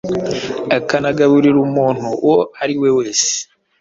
akanagaburira umuntu uwo ari we wese